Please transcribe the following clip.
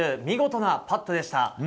見事なパットでした。